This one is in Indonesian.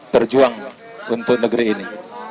berjuang untuk negeri ini